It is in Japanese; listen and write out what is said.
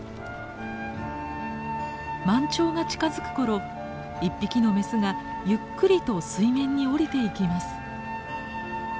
満潮が近づく頃一匹のメスがゆっくりと水面に下りていきます。